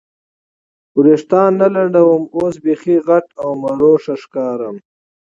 وریښتان نه لنډوم، اوس بیخي غټه او مړوښه ښکارم.